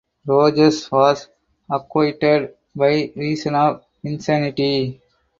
Rogers was acquitted by reason of insanity.